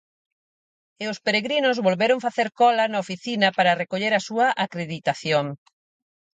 E os peregrinos volveron facer cola na oficina para recoller a súa acreditación.